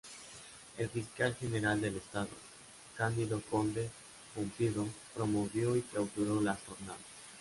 El Fiscal General del Estado, Cándido Conde-Pumpido, promovió y clausuró las jornadas.